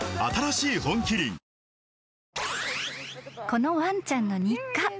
［このワンちゃんの日課。